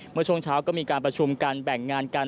เมื่อช่วงเช้าก็มีการประชุมกันแบ่งงานกัน